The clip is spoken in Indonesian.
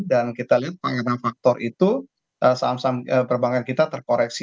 dan kita lihat pengenal faktor itu saham saham perbankan kita terkoreksi